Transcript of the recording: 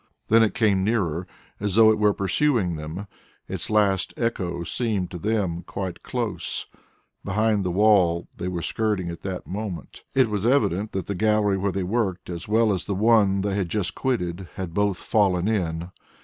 Then it came nearer, as though it were pursuing them. Its last echo seemed to them quite close, behind the wall they were skirting at that moment. It was evident that the gallery where they worked, as well the one which they had just quitted, had both fallen in.